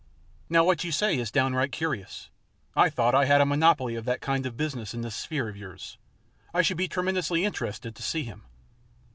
"Now what you say is down right curious. I thought I had a monopoly of that kind of business in this sphere of yours. I should be tremendously interested to see him."